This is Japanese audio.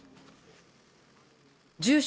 住所